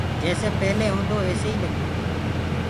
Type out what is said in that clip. جيسي پيلي هوندو ايسو ئي لگدو